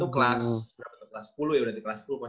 kelas sepuluh ya udah di kelas sepuluh